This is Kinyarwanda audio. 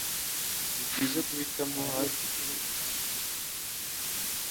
Nibyiza guhitamo hafi gusetsa.